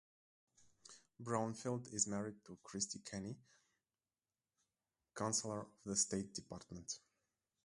Brownfield is married to Kristie Kenney, Counselor of the State Department.